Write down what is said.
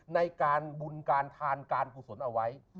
ในการบุญการทานการกุศลเอาไว้